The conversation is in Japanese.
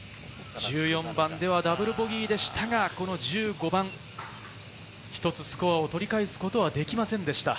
１４番ではダブルボギーでしたが、この１５番、一つスコアを取り返すことはできませんでした。